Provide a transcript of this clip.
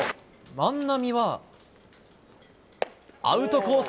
万波はアウトコース